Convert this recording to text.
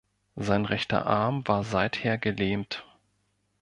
Sein rechter Arm war seither gelähmt.